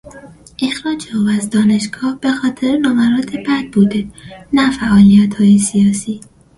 اخراج او از دانشگاه به خاطر نمرات بد بوده نه فعالیتهای سیاسی.